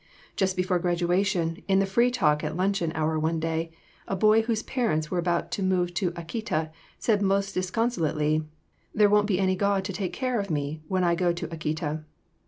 Just before graduation, in the free talk at luncheon hour one day, a boy whose parents were about to move to Akita said most disconsolately, 'There won't be any God to take care of me when I go to Akita!